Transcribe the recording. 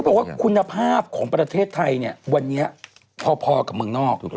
บอกว่าคุณภาพของประเทศไทยเนี่ยวันนี้พอกับเมืองนอกถูกต้อง